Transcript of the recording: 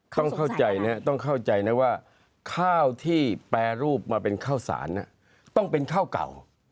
ต้องเข้าใจนะต้องเข้าใจนะว่าข้าวที่แปรรูปมาเป็นข้าวสารต้องเป็นข้าวเก่า